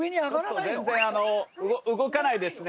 全然動かないですね